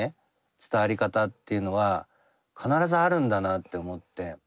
伝わり方っていうのは必ずあるんだなって思って。